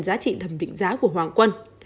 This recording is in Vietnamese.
giá trị thẩm định giá của hoàng quân